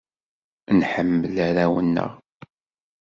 Nḥemmel arraw-nneɣ.